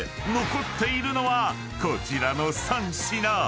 ［残っているのはこちらの３品］